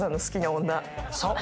そう。